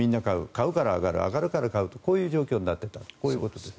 買うから上がる上がるから買うというこういう状況になっていったということです。